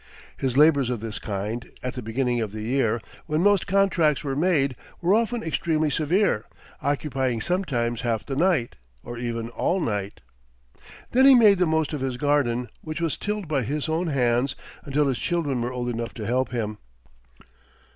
His labors of this kind, at the beginning of the year, when most contracts were made, were often extremely severe, occupying sometimes half the night, or even all night. Then he made the most of his garden, which was tilled by his own hands, until his children were old enough to help him.